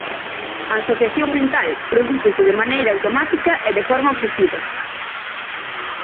A asociación mental prodúcese de maneira automática e de forma obsesiva.